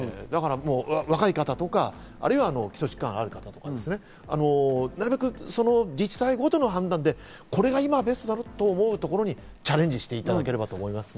若い方とか、基礎疾患がある方はなるべく自治体ごとの判断で、これが今ベストなんだと思うところにチャレンジしていただければと思いますね。